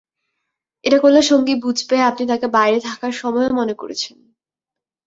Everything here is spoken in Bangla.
এটা করলে সঙ্গী বুঝবে, আপনি তাকে বাইরে থাকার সময়ও মনে করেছেন।